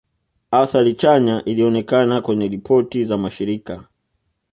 Athari chanya ilionekana kwenye ripoti za mashirika